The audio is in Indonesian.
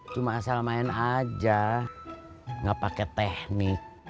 cuma asal main aja nggak pakai teknik